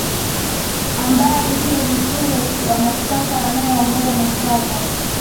ambaye ndio mkuu wa mashtaka anayeongoza mashtaka